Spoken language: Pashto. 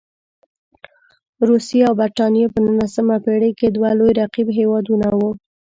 روسیې او برټانیې په نولسمه پېړۍ کې دوه لوی رقیب هېوادونه وو.